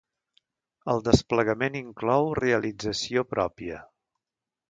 El desplegament inclou realització pròpia.